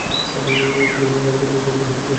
সাবিত্রী, সব ঠিক আছে তো?